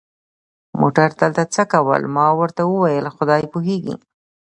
موټر دلته څه کول؟ ما ورته وویل: خدای پوهېږي.